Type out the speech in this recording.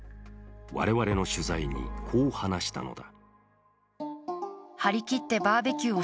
我々の取材にこう話したのだ。